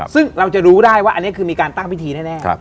ซึ่งเราจะรู้ได้ว่าอันนี้คือมีการตั้งพิธีแน่